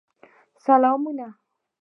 سلامونه.